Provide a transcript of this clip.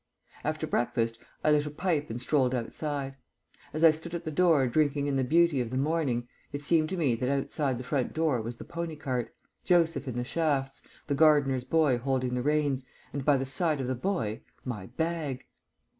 After breakfast I lit a pipe and strolled outside. As I stood at the door drinking in the beauty of the morning I was the victim of a curious illusion. It seemed to me that outside the front door was the pony cart Joseph in the shafts, the gardener's boy holding the reins, and by the side of the boy my bag!